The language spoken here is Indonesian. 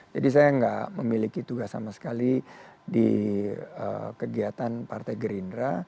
saya nggak memiliki tugas sama sekali di kegiatan partai gerindra